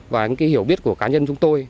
và những hiểu biết của cá nhân chúng tôi